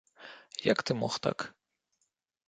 Як ты мог так.